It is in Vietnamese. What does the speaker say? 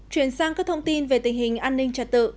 chuyển sang các thông tin về tình hình an ninh trật tự